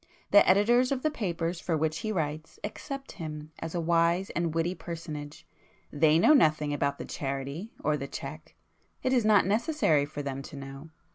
The editors of the papers for which he writes accept him as a wise and witty personage; they know nothing about the charity or the cheque,—it is not necessary for them to know.